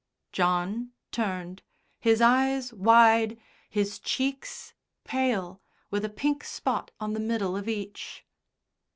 John turned, his eyes wide, his cheeks pale with a pink spot on the middle of each.